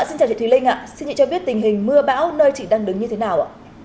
xin chào chị thùy linh ạ xin chị cho biết tình hình mưa bão nơi chị đang đứng như thế nào ạ